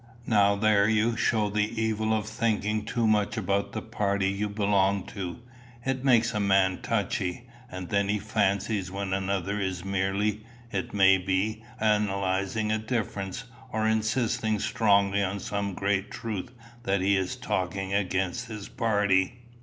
"Now there you show the evil of thinking too much about the party you belong to. It makes a man touchy; and then he fancies when another is merely, it may be, analysing a difference, or insisting strongly on some great truth, that he is talking against his party."